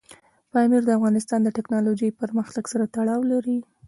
پامیر د افغانستان د تکنالوژۍ پرمختګ سره تړاو لري.